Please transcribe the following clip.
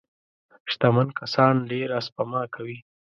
شتمن کسان ډېره سپما کوي.